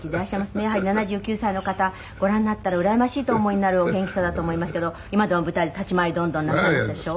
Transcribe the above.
「やはり７９歳の方ご覧になったらうらやましいとお思いになるお元気さだと思いますけど今でも舞台で立ち回りどんどんなさってるでしょ？」